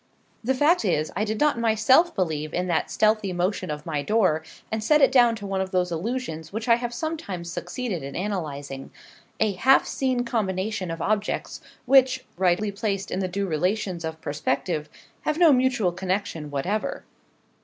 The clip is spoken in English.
The fact is I did not myself believe in that stealthy motion of my door, and set it down to one of those illusions which I have sometimes succeeded in analysing a half seen combination of objects which, rightly placed in the due relations of perspective, have no mutual connection whatever.